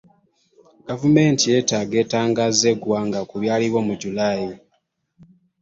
Gavumenti yeetaaga etangaaze eggwanga ku byaliwo mu July.